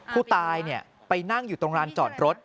ผู้ตายไปนั่งอยู่ตรงร้านจอดรถ